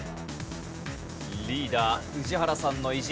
リーダー宇治原さんの意地。